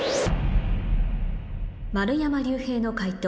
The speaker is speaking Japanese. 丸山隆平の解答